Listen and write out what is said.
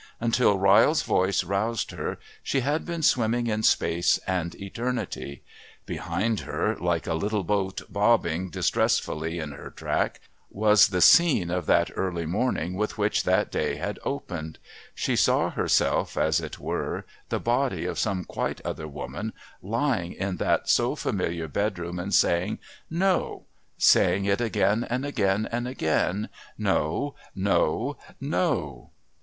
Until Ryle's voice roused her she had been swimming in space and eternity; behind her, like a little boat bobbing distressfully in her track, was the scene of that early morning with which that day had opened. She saw herself, as it were, the body of some quite other woman, lying in that so familiar bedroom and saying "No" saying it again and again and again. "No. No. No."